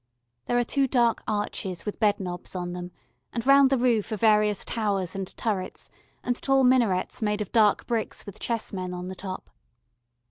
There are two dark arches with bed knobs on them, and round the roof are various towers and turrets, and tall minarets made of dark bricks with chessmen on the top.